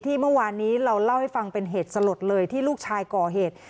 เมื่อวานนี้เราเล่าให้ฟังเป็นเหตุสลดเลยที่ลูกชายก่อเหตุ